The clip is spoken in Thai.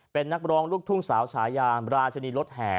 เป็นนักร้องลูกทุ่งสาวฉายามราชนีรถแห่